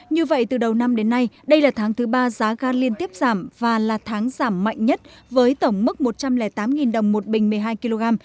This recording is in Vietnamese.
như vậy từ đầu năm đến nay đây là tháng thứ ba giá ga liên tiếp giảm và là tháng giảm mạnh nhất với tổng mức một trăm linh tám đồng một bình một mươi hai kg